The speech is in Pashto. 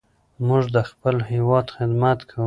موږ د خپل هېواد خدمت کوو.